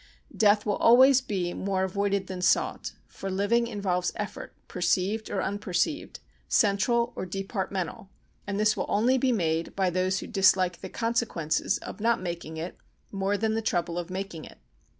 Death will always be more avoided than sought; for living involves effort, perceived or unperceived, central or departmental, and this will only be made by those who dislike the consequences of not making it more than the trouble of making it.